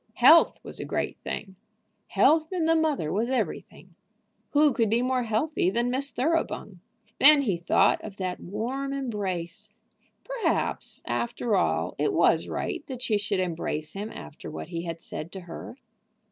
Health was a great thing. Health in the mother was everything. Who could be more healthy than Miss Thoroughbung? Then he thought of that warm embrace. Perhaps, after all, it was right that she should embrace him after what he had said to her.